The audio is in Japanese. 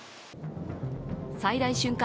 最大瞬間